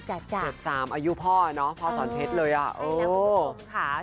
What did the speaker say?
๗๓อายุพ่อเนอะพ่อสอนเพชรเลยอ่ะ